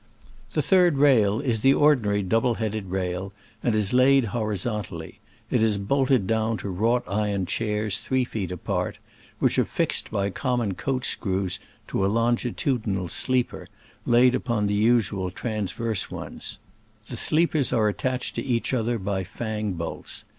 The third rail is the ordi nary double headed rail, and is laid horizontally: it is bolted down to wrought iron chairs three feet apart, which are fixed by common coach screws to a longitudinal sleeper laid upon the usual transverse ones : the sleepers are attached to each other by fang bolts.